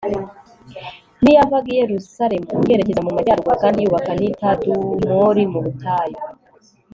n'iyavaga i yerusalemu yerekeza mu majyaruguru, kandi yubaka n'i tadumori mu butayu